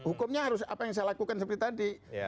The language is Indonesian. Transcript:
hukumnya harus apa yang saya lakukan seperti tadi